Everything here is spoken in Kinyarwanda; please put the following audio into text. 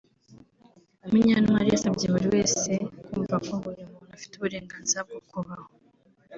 Munyantwari yasabye buri wese kumva ko buri muntu afite uburenganzira bwo kubaho